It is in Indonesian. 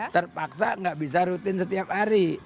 terpaksa nggak bisa rutin setiap hari